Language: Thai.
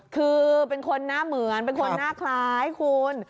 คือเป็นคนหน้าเหมือนเป็นคนหน้าคล้ายคุณ